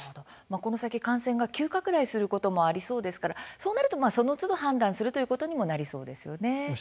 この先感染が急拡大することもありそうですからそうなると、そのつど判断するということになりそうですね。